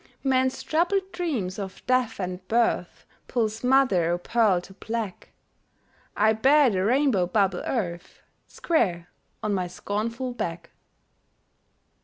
Men's troubled dreams of death and birth Pulse mother o' pearl to black; I bear the rainbow bubble Earth Square on my scornful back.